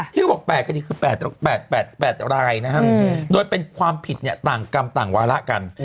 คือ๘คดีคือ๘รายโดยเป็นความผิดต่างกรรมต่างวาระกัน